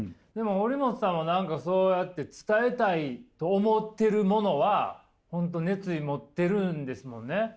でも堀本さんは何かそうやって伝えたいと思ってるものは本当熱意持ってるんですもんね？